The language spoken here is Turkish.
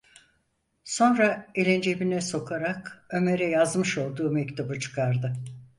Sonra elini cebine sokarak Ömer’e yazmış olduğu mektubu çıkardı: